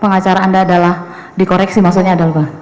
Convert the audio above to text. pengacara anda adalah dikoreksi maksudnya adalah